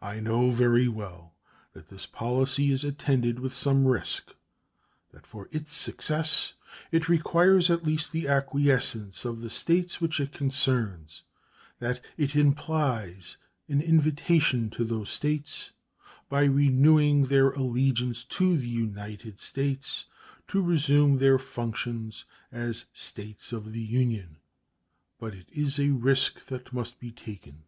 I know very well that this policy is attended with some risk; that for its success it requires at least the acquiescence of the States which it concerns; that it implies an invitation to those States, by renewing their allegiance to the United States, to resume their functions as States of the Union. But it is a risk that must be taken.